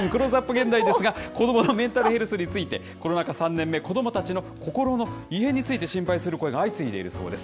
現代ですが、子どものメンタルヘルスについて、コロナ禍３年目、子どもたちの心の異変について心配する声が相次いでいるそうです。